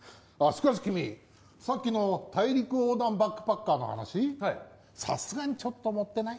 しかし君さっきの大陸横断バックパッカーの話はいさすがにちょっと盛ってない？